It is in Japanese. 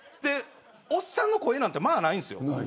おっさんの声なんてないんですよ。